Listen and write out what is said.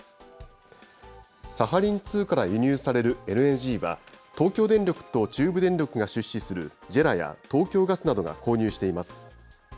サハリン２から輸入されるＬＮＧは、東京電力と中部電力が出資するＪＥＲＡや東京ガスなどが購入しています。